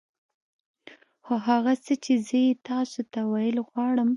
خو هغه څه چې زه يې تاسو ته ويل غواړم.